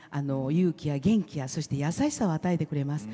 勇気や元気やそして優しさを与えてくれます。